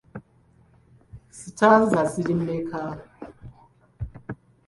Sitanza ziri mmeka?